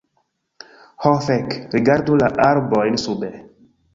Ho fek! Rigardu la arbojn sube